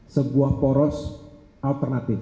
sebuah poros alternatif